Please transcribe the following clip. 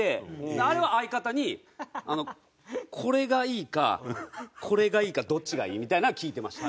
あれは相方に「これがいいかこれがいいかどっちがいい？」みたいなのは聞いてました。